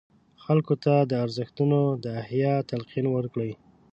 خلکو ته د ارزښتونو د احیا تلقین ورکړي.